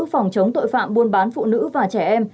phòng chống tội phạm buôn bán phụ nữ và trẻ em